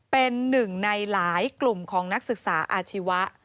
เป็นหนึ่งในหลายกลุ่มของนักศึกษาอาชีวะ